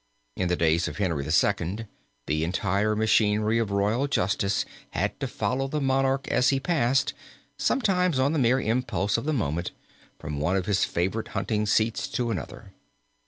In the days of Henry II. the entire machinery of royal justice had to follow the monarch as he passed, sometimes on the mere impulse of the moment, from one of his favorite hunting seats to another.